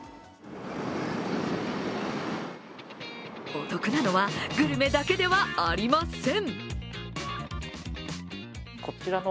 お得なのはグルメだけではありません。